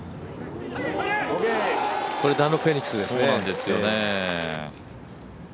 これダンロップフェニックスですね。